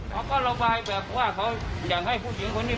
เขาก็ระบายแบบว่าเขาอยากให้ผู้หญิงคนนี้